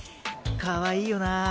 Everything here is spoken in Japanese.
かわいいよな。